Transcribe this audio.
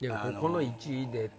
この地位で。